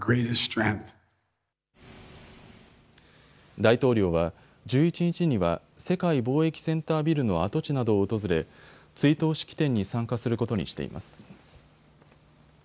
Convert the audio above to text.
大統領は、１１日には世界貿易センタービルの跡地などを訪れ追悼式典に参加することにしています。